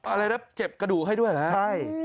อะไรนะเก็บกระดูกให้ด้วยเหรอใช่